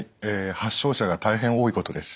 発症者が大変多いことです。